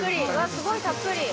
スゴいたっぷり。